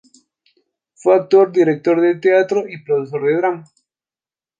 Fue actor, director de teatro y profesor de drama.